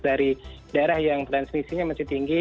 dari daerah yang transmisinya masih tinggi